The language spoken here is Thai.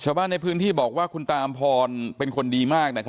ชาวบ้านในพื้นที่บอกว่าคุณตาอำพรเป็นคนดีมาก